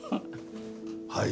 はい。